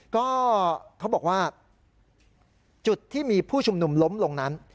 ก็เขาบอกว่าจุดที่มีผู้ชุมนุมล้มลงนั้น